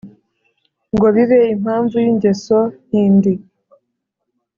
ngo bibe impamvu y ' ingeso ntindi